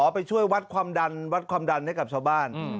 ไปช่วยวัดความดันวัดความดันให้กับชาวบ้าน